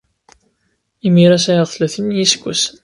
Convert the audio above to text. Imir-a, sɛiɣ tlatin n yiseggasen.